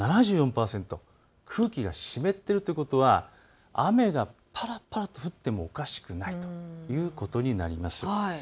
空気が湿っているということは雨がぱらぱらと降ってもおかしくはないということになります。